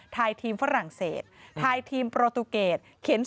ทายทีมฝรั่งเศสทายทีมโปรตูเกต